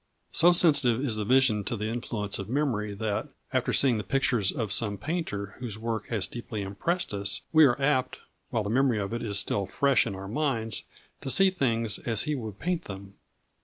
So sensitive is the vision to the influence of memory that, after seeing the pictures of some painter whose work has deeply impressed us, we are apt, while the memory of it is still fresh in our minds, to see things as he would paint them.